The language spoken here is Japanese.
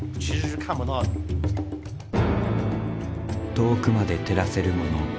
遠くまで照らせるもの。